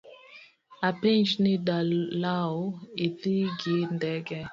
Apenji, dalau idhi gi ndege?